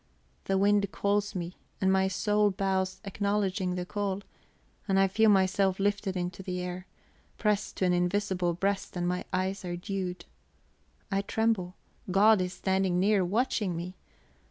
The wind calls me, and my soul bows acknowledging the call; and I feel myself lifted into the air, pressed to an invisible breast; my eyes are dewed, I tremble God is standing near, watching me.